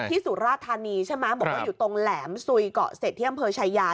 ที่สุรทานีบอกว่าอยู่ตรงแหลมซุยเกาะเศรษฐ์เที่ยงเผอร์ชายา